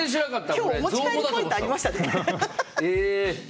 今日お持ち帰りポイントありましたね。